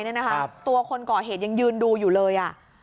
ตัวคนก่อเหตุยังยืนดูอยู่เลย